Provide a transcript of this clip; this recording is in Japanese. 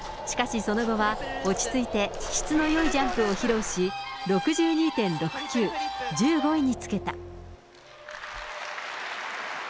しかし、その後は落ち着いて質のよいジャンプを披露し、６２．６９、１５位につけた。